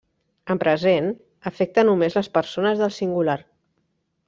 En present, afecta només les persones del singular.